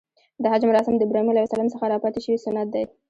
د حج مراسم د ابراهیم ع څخه راپاتې شوی سنت دی .